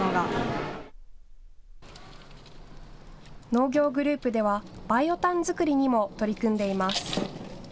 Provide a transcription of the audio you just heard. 農業グループではバイオ炭作りにも取り組んでいます。